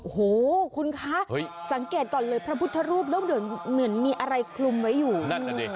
โอ้โหคุณคะเฮ้ยสังเกตก่อนเลยพระพุทธรูปเริ่มเดินเหมือนมีอะไรคลุมไว้อยู่นั่นแหละเด็ก